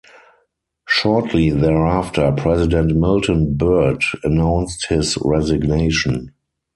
Shortly thereafter, President Milton Byrd announced his resignation.